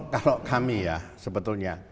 kalau kami ya sebetulnya